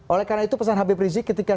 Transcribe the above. oleh karena itu pesan habib rizik ketika